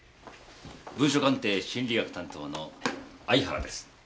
文書鑑定心理学担当の相原です。